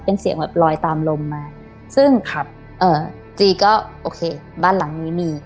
เป็นเสียงแบบลอยตามลมมาซึ่งครับเอ่อจีก็โอเคบ้านหลังนี้มี